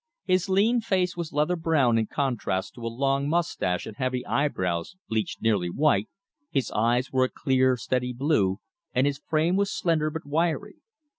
His lean face was leather brown in contrast to a long mustache and heavy eyebrows bleached nearly white, his eyes were a clear steady blue, and his frame was slender but wiry.